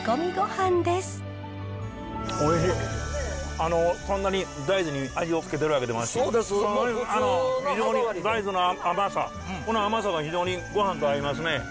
あのそんなに大豆に味を付けてるわけでもなしに微妙に大豆の甘さこの甘さが非常にごはんと合いますね。